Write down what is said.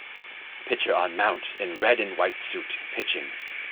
Pitcher on mount, in red and white suite, pitching.